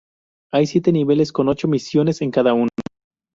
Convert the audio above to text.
Hay siete niveles con ocho misiones en cada uno.